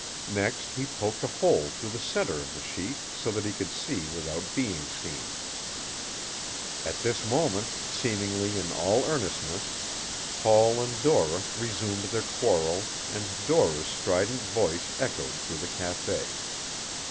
Next he poked a hole through the center of the sheet so that he could see without being seen. At this moment, seemingly in all earnestness, Paul and Dora resumed their quarrel, and Dora's strident voice echoed through the café.